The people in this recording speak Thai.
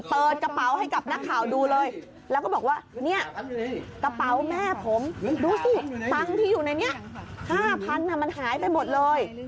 เปิดกระเป๋าให้กับนักข่าวดูเลยแล้วก็บอกว่าเนี่ยกระเป๋าแม่ผมดูสิตังค์ที่อยู่ในนี้๕๐๐บาทมันหายไปหมดเลย